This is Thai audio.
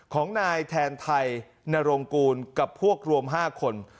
ของนายแทนไทยนรงกูลกับพวกรวม๕คน